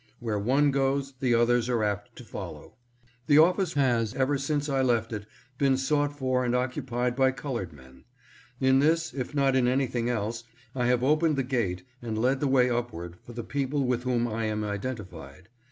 Where one goes the others are apt to follow. The office has, ever since I left it, been sought for and occupied by colored men. In this, if not in anything else, I have opened the gate and led the way 640 INCOME OF THE RECORDER OF DEEDS. upward for the people with whom I am identified.